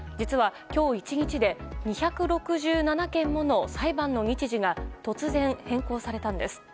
実は今日１日で２６７件もの裁判の日時が突然、変更されたんです。